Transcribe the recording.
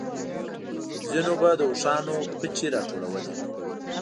ځينو به د اوښانو پچې راټولولې.